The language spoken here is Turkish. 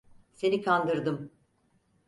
Seni kandırdım.